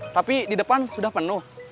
tapi di depan sudah penuh